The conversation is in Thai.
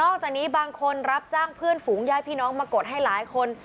จากนี้บางคนรับจ้างเพื่อนฝูงญาติพี่น้องมากดให้หลายคน